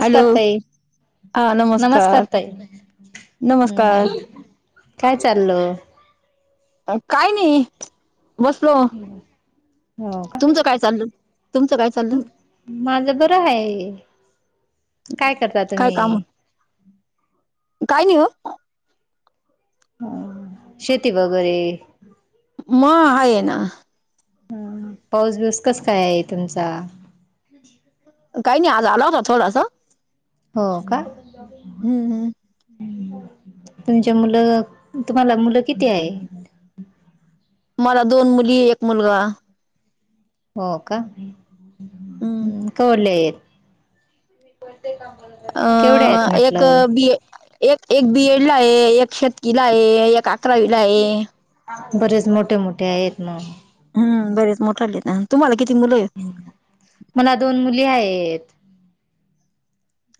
Hello ताई. नमस्कार ताई. नमस्कार हं. काय चाललय? काय नाही. बसलो. हो तुमचं काय चाललं? तुमचं काय चाललं? का माझं बरं आहे काय करता काय काम तुम्ही? काय नाही हो. ह. शेती वगैरे? म हाये ना. हं. पाऊस बिउस कस काय आहे तुमचा? काही नाही आज आला होता थोडासा. हो का? हम्म हम्. तुमचे मुलं, तुम्हाला मुलं किती आहे? मला दोन मुली, एक मुलगा. हो का? हम्म केवढाले येत? केवढे आहेत अ एक म्हटलं. बी एक एक बी एड ला ए. एक शेतकीला आहे. एक- अकरावीला आहे बरेच मोठे मोठे आहेत मग. हम्. बरेच मोठा ललेेत. तुम्हाला किती मुलं ए? मला दोन मुली आहेत.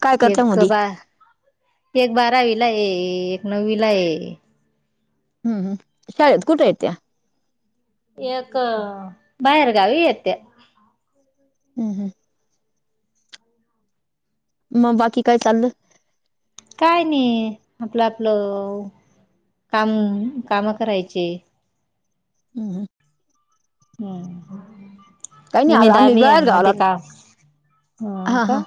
काय करत्या एक मुली बा, एक बारावी ला आहे. एक नववी ला आहे. हम्मम. शाळेत कुठयेत त्या? एक- बाहेर गावी येत त्या. हम् हं. मग बाकी काय चालल? काय नाही. आपलं आपलं काम, काम करायचे. हम् ह. काही हम्म. नाही आज उमेदा आम्ही आभी बाहेर आहे मध्ये गावाला का? हो हा का? हा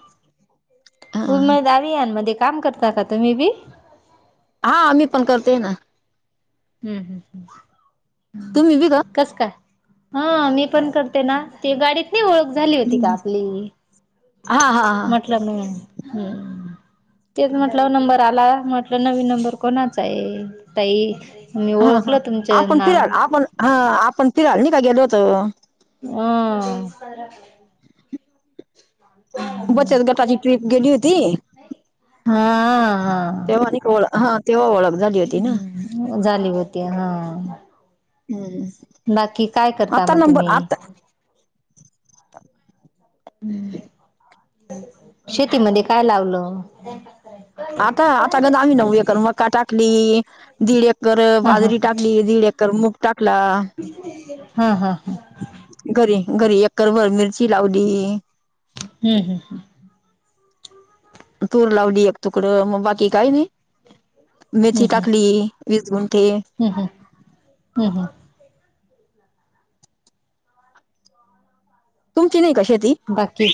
हा उम दवीया मध्ये काम करता का तुम्ही बी? हा. मी पण करते ना. हम्म हम् हम्. तुम्ही बी का? कस काय? हा. मी पण करते ना. ते गाडीत- ओळख झाली होती का आपली? हा हा हा म्हटलं म हं. तेच म्हटलं नंबर आला. म्हटलं नवीन नंबर कोणाचा आहे ताई? मी हा हा ओळखलं तुमचं आपण नाव. फिराल आपण हा. आपण तिला नाही का गेलो होतो? अं. बचत गटाची ट्रीप गेली होती. हा हा तेव्हा नाई का ओळ हा तेव्हा ओळख झाली होती ना. झाली होती हां. हम्म. बाकी काय करता आता म नंबर तुम्ही? आता म शेतीमध्ये काय लावलं? आता आता गण आमी नऊू एकर मका टाकली दीड एकर अ ह ह बाजरी टाकली, दीड एकर मूग टाकला. हां हां हां. घरी घरी एकरभर मिरची लावली. हम्म हम्म हं. तूर लावली एक तुकडं मग बाकी काय नाई हम्म मेथी टाकली. वीस गुंठे. हम्म हम्म हम्म हम्म. तुमची नाई का शेती? बाकी?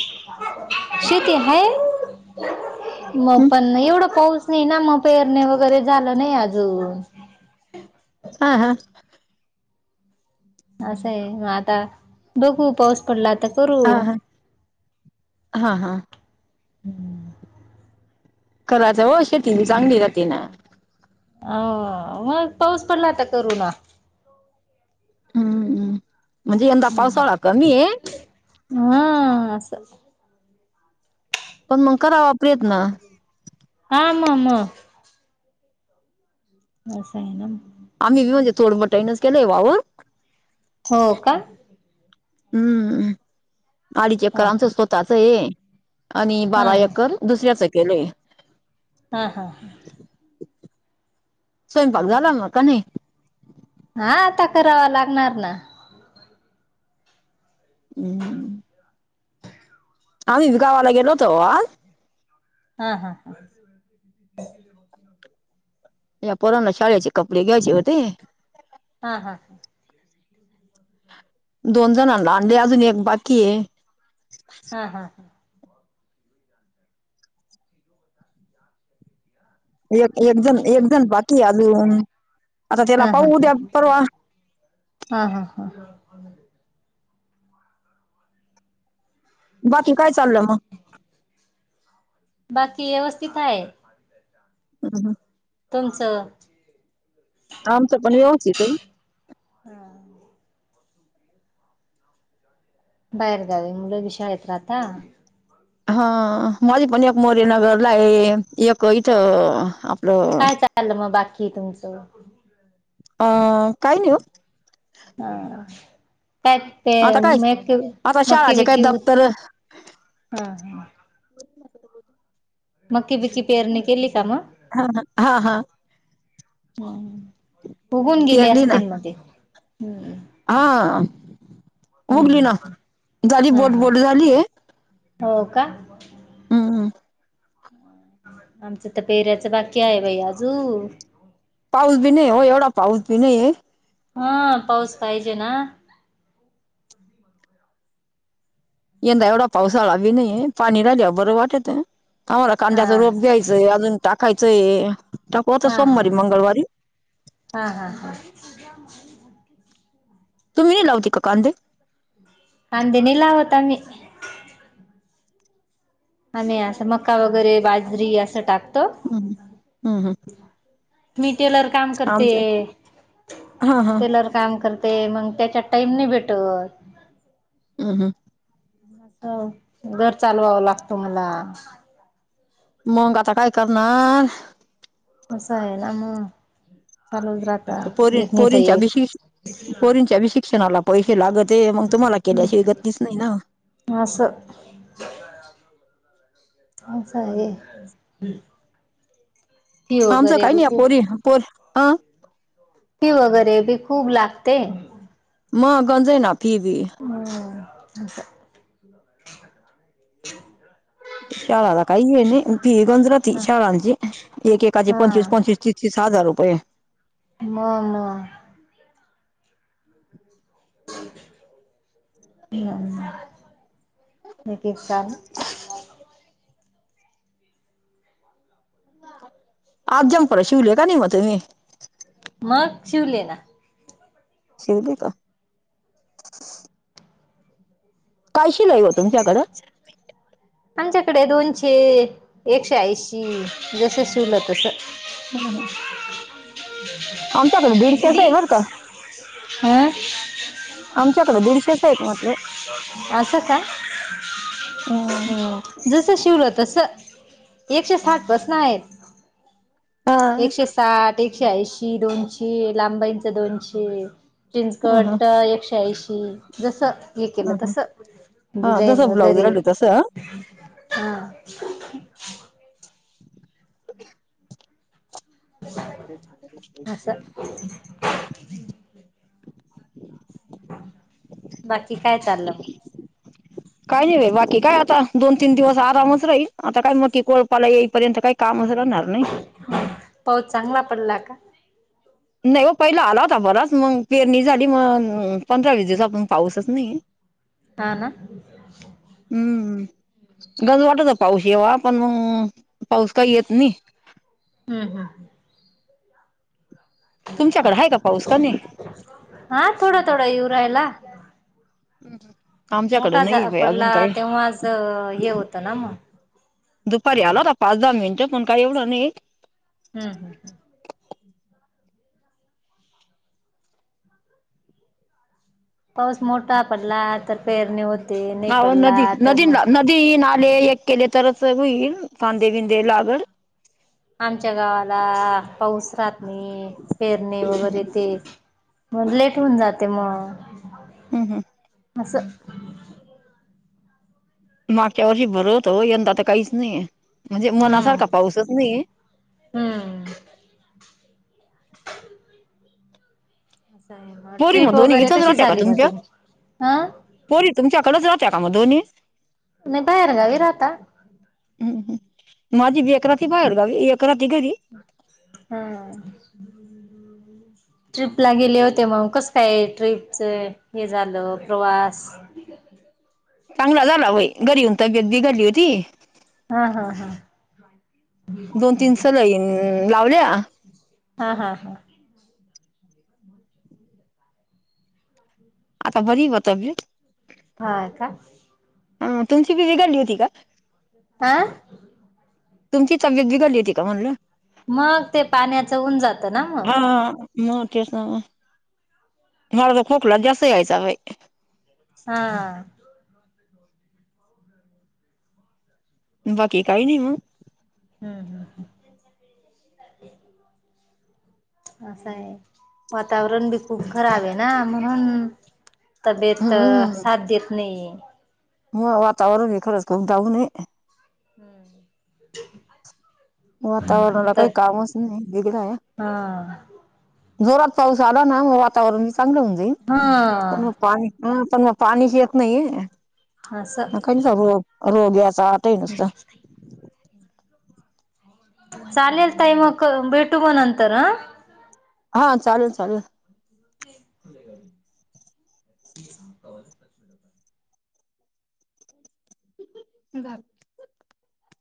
शेती हाय. म पण एवढं पाऊस नाही ना मग, पेरणे वगैरे झालं नाही आजून. हां हां. असंय म आता बघू पाऊस पडला तर करूं. हां हां. हम्म. कराच वो शेती बी चांगली राहती ना. आ मग पाऊस पडला त आता करु ना. हम्म हम्म. म्हणजे यंदा पावसाळा कमी आहे हम्म हां असं. पण मगं करावा प्रयत्न. हां म-म. अस आयन म. आम्ही बी म्हणजे थोड बटाईनच केलंय वावर. हो का? हम्म आडीच एकर हा आमच हा स्वतःचय आणि हा बारा हा एकर दुसऱ्याचं केलंय. हां हां हा. स्वयंपाक झाला म का नई? हां आता करावा लागणार ना. [unintelligible] आमी बी गावाला गेलो होतो वो आज. हां हां हां. [inaudible] या पोरांना शाळेचे कपडे घ्यायचे होतें. हां हां हां. [inaudible] दोन जणांनला आणले अजून एक बाकीये. हां हां. [inaudible] एक एक जण एक जण बाकी अजून आता त्याला हा पाहू ह उद्या परवा. हा हा हा. बाकी काय चाललं मग? बाकी व्यवस्थित हाय. हम हा. तुमचं. आमचं पण व्यवथित आहे. हम. बाहेर गावी मुलं बी शाळ जाता. मध्ये पण एक मोरेनगरला आहे एक इथं. आपलं काय चालल मग बाकी तुमचं. अ काय नाही वो. हा काय. ते आता काय मॅथव आता मकी शाळाचे काय बिककी उगाच दप्तर हा ह. बोल की आता. मक्की बिक्की पेरणी केली का मग. हा हा हा. बघून गेले पेरली ना असतील मध्ये ते. हा उगली ना हम्म झाली हा बोट हा बोट झाली आहे. हो का. हम हम. आमचं तर पेहऱ्याचं बाकी आहे बाई आजू. पाऊस बी नाही हो एवढा पाऊस बी नाही आहे. हा पाऊस पाहिजे ना. यंदा एवढा पावसाळा बी नाहीे पाणी राहिल्या बरं वाटत आम्हाला हा कांद्याचा रोप ब्यायच''--'' जय अजून टाकायचंय टाकू हा सोमवारी हा मंगळवारी. हा हा हा. मा [unintelligible] तुमही लावते का कांदे. कांदे नाही लावतात. आणि असं मक्का वगैरे बाजरी असं टाकतो. हम्म हम हम. मी टेलर काम करते हा हा टेलर काम करते. ते मग त्याच्या टाईम नाय भेटत. ह ह. घर चालवावं लागतं मला. मंग आता काय करणार. असा आहे ना मग चालूच रात. पोरी पोरीनच्या बिशिश. पोरींच्या भी शिक्षणाला पैसे लागत आहे मग तुम्हाला केल्याची गतीच नाही ना. असं असं आहे. फी आमचं वगैरे काही नाही पोरी पोर हं. हो. फी वगैरे बी खूप लागते. म गंज आहे ना फिबी. होना. शाळाला काही आहे नाही फी गंजरात हा शाळांचे एक एकाचे पंचवीस हा पंचवीस त तीस हजारुपये. म म. ह का [unintelligible] आज झपर शिवले का नि मते. मग शिवले ना. शिवली का? काय शिलाई ओ तुमच्याकडं? आमच्याकडे दोनशे एकशे ऐंशी जस शिवल तस आमच्याकडे दीडशेच आहे बरं का [unintelligible] हं [inaudible] आमच्याकडे दीडशेच येत म्हटलं. असं का हा ह जस शिवलं तस. एकशे साठ बसनं आहेत. एकशे साठ एकशे ऐंशी दोनशे लांब बाईंचे दोनशे. प्रिन्स हा हा कट एकशे ऐंशी जस केलं तस हा, डिझाईन जसं ब्लाऊज वगैरे राहिल तसं हा. असं [unintelligible] बाकी काय चाललं मग? [unintelligible] काय नाही बा बाकी काय आता दोन तीन दिवस आरामच राहील आता काय मग की कोपाला येईपर्यंत काय कामच राहणार नाही. पाऊस चांगला पडला का? नाही ओ पहिलं आला होता बरच मग पेरणी झाली मग पंधरा वीस दिवसा पाहून पाऊसच नाही. हाना. हम्म. गज वाटत पाऊस येव्हा पण मग पाऊस काही येत नाही. हम्म-हम्म ह. तुमच्याकडे आहे का पाऊस का नाही? हा थोड-थोडा इवरायला. हम्म-हम्म. मोठा पडला तेव्हाज हे होतं ना मग. दुपारी आला होता पाच दहा मिनिटं पण काय एवढं नाही. हम्मं-हम्म-हम्म. पाऊस मोठा पडला तर पेरणी होते नाही पडला तर मग. तीन आले एक केले तरच होईल कांदे बिंदे लागड. आमच्या गावाला पाऊस राहात नाही पेरणे वगैरे ते मग लेट होऊन जाते मग. हम्म हं. असं. मागच्या वर्षी बरा होता हो यंदा तर काहीच नाही म्हणजे हम्म मनासारखा पाऊसच नाही. हम्म. [unintelligible] पोरी ट्रिप मग दोन्ही वगैरे इथंच कशी राहत्या का झाली म तुमच्या तुमची पोरी तुमच्याकडेच राहत्या का मग दोन्ही? नाही बाहेर गावी राहता? माझी लेक राहती बाहेर गावी एक राहती घरी. ह! [inaudible] ट्रीपला गेले होते मग कसं काय ट्रीपच हे झालं प्रवास? चांगला झाला व्हई घरी येऊन तब्येत बिघडली होती. हा हा हा! दोन तीन सलाईन लावल्या. ह हा हा! आता बरी हो तब्येत. हाय का? हा तुमची बिघडली होती का? हा! तुमची तब्येत बिघडली होती का म्हणलं? मग ते पाण्याचं होऊन जात ना मग. मगं तेच ना मला तर खोकला जास्त यायचा बाई. हा! बाकी काही नाही मग. ह ह ह! अस हाय वातावरण बी खूप खराब आहे ना म्हणून तब्येत हम्म साथ देत नाही. मग वातावरण खरंच खूप डाउन आहे. हम्म! वातावरणाला काही कामच नाही बिघड्या. हा जोरात पाऊस आला ना मग वातावरण चांगलं होऊ जाईल. पण ह! मग पाणी पण मग पाणीच येत नाही. अस रोग रोग्याचाटय नुसत. चालेल ताई मग भेटू मग नंतर. हा चालेल चालेल! खुलेवा [unintelligible] ह बा [unintelligible]